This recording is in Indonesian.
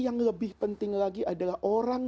yang lebih penting lagi adalah orang